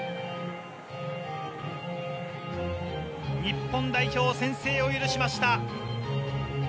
日本代表、先制を許しました。